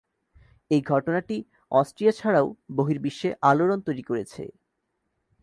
এই ঘটনাটি অস্ট্রিয়া ছাড়াও বহির্বিশ্বে আলোড়ন তৈরি করেছে।